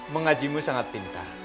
mengajimmu sangat pintar